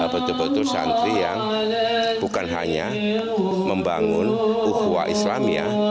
betul betul santri yang bukan hanya membangun uhwa islam ya